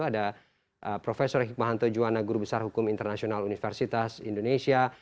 ada prof hikmahanto juwana guru besar hukum internasional universitas indonesia